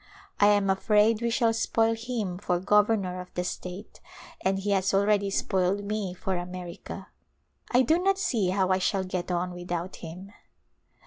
I am afraid we shall spoil him for gov ernor of the state, and he has already spoiled me for America. I do not see how I shall get on without him.